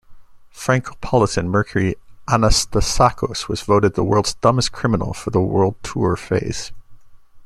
Francopolitan Mercury Anastassacos was voted the "World's Dumbest Criminal" for the world tour phase.